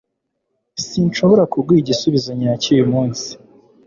Sinshobora kuguha igisubizo nyacyo uyu munsi.